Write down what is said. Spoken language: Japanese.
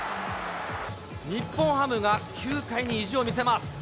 日本ハムが９回に意地を見せます。